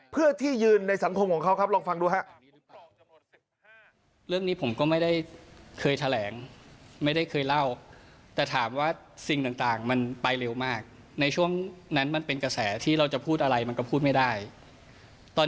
เพื่อที่ยืนในสังคมของเขาครับลองฟังดูครับ